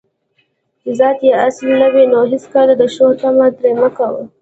چې ذات یې اصلي نه وي، نو هیڅکله د ښو طمعه ترې مه کوه